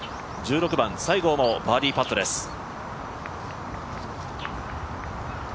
１６番、西郷真央バーディーパットです。